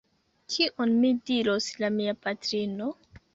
Kion mi diros la mia patrino?